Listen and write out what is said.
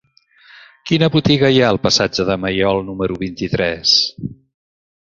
Quina botiga hi ha al passatge de Maiol número vint-i-tres?